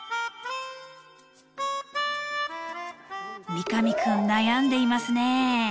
三上君悩んでいますね。